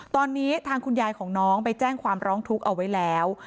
ตอนนี้ทางคุณยายของน้องไปแจ้งความร้องทุกข์เอาไว้แล้ว